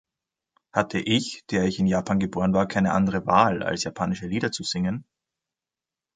Hatte ich, der ich in Japan geboren war, keine andere Wahl, als japanische Lieder zu singen?